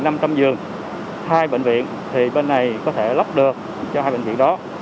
năm trăm linh giường hai bệnh viện thì bên này có thể lắp được cho hai bệnh viện đó